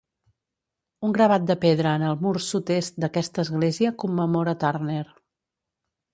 Un gravat de pedra en el mur sud-est d'aquesta església commemora Turner.